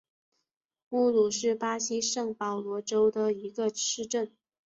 乌鲁是巴西圣保罗州的一个市镇。